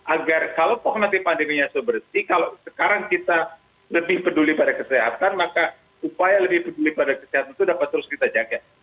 agar kalau nanti pandeminya sebersih kalau sekarang kita lebih peduli pada kesehatan maka upaya lebih peduli pada kesehatan itu dapat terus kita jaga